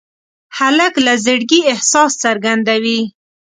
هلک له زړګي احساس څرګندوي.